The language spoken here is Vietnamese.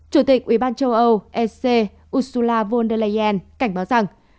chủ tịch ubnd châu âu sc ursula von der leyen cảnh báo rằng